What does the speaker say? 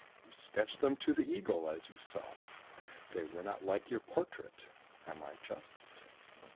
You sketched them to the Eagle as you saw: They were not like your portrait; am I just?"